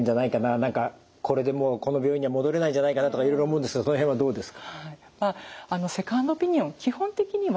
何かこれでもうこの病院には戻れないんじゃないかなとかいろいろ思うんですけどその辺はどうですか？